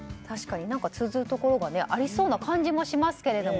確かに通じるところがありそうな感じもしますが。